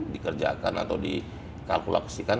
dikerjakan atau dikalkulaksikan